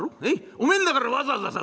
おめえんだからわざわざさ